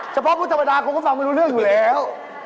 เฉพาะผู้ธรรมดาคงก็ฟังไม่รู้เรื่องอยู่แล้ว